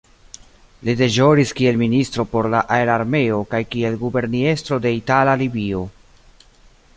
Li deĵoris kiel ministro por la Aerarmeo kaj kiel guberniestro de Itala Libio.